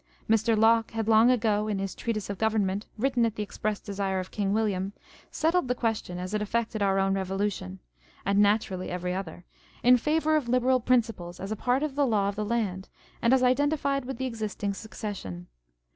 Mr. Locke had long ago (in his Treatise of Government, written at the express desire of King William) settled the question as it affected our own Revolution (and naturally every other) in favour of liberal principles as a part of the law of the land and as identified with the existing succession.